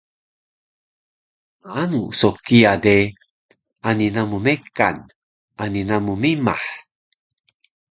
Maanu so kiya de ani namu mekan ani namu mimah